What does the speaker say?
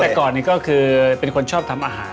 แต่ก่อนนี้ก็คือเป็นคนชอบทำอาหาร